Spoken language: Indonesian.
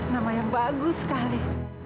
nama yang bagus sekali